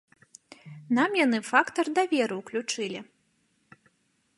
Нам яны фактар даверу ўключылі.